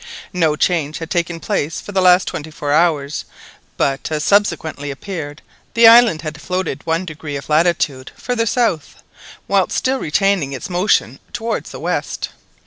No change had taken place for the last twenty four hours, but, as subsequently appeared, the island had floated one degree of latitude further south, whilst still retaining its motion towards the west.